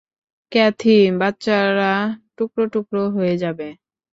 Kathy, বাচ্চারা টুকরো টুকরো হয়ে যাবে!